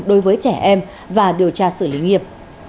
đối với trẻ em và điều tra xử lý nghiệp